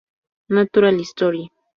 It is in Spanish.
Natural History".